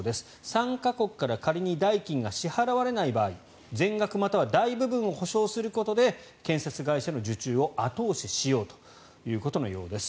参加国から仮に代金が支払われない場合全額または大部分を補償することで建設会社の受注を後押ししようということのようです。